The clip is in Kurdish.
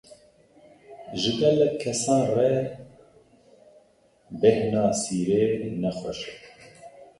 Ji gelek kesan re, bêhna sîrê ne xweş e.